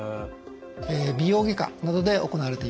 美容外科などで行われています。